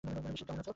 শিব, কেমন আছো?